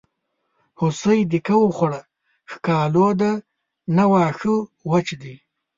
هوسۍ دیکه وخوړه ښکالو ده نه واښه وچ دي.